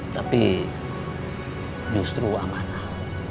tapi justru amanah